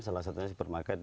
salah satunya supermarket